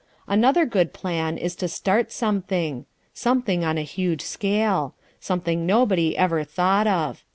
Another good plan is to start something. Something on a huge scale: something nobody ever thought of.